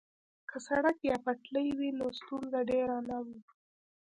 که سړک یا پټلۍ وي نو ستونزه ډیره نه وي